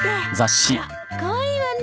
あらカワイイわね。